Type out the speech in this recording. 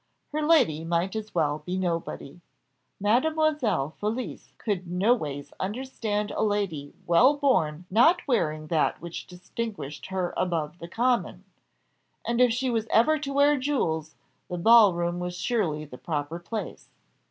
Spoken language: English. Her lady might as well be nobody. Mademoiselle Felicie could no ways understand a lady well born not wearing that which distinguished her above the common; and if she was ever to wear jewels, the ball room was surely the proper place.